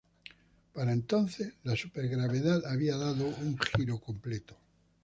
Para entonces, la supergravedad había dado un giro completo.